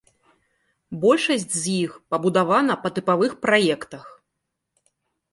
Большасць з іх пабудавана па тыпавых праектах.